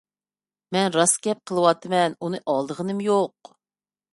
مەن راست گەپ قىلىۋاتىمەن، ئۇنى ئالدىغىنىم يوق.